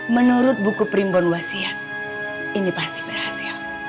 menurut buku primbon wasiat ini pasti berhasil